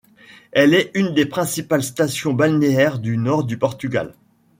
Elle est une des principales stations balnéaires du nord du Portugal.